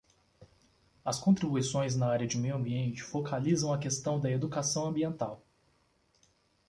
As contribuições na área de Meio Ambiente focalizam a questão da educação ambiental